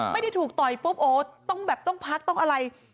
ไม่ได้ถูกต่อยปุ๊บโอ้ต้องแบบต้องพักต้องอะไร